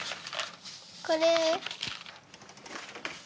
これ。